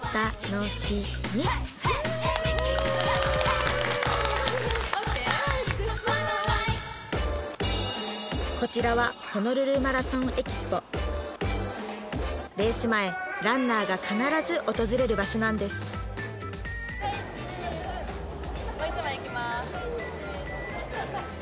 うわこちらはレース前ランナーが必ず訪れる場所なんですはいチーズ